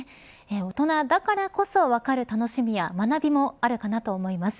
大人だからこそ分かる楽しみや学びもあるかなと思います。